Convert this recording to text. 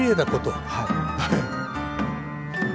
はい。